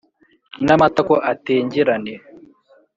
n’amatako atengerane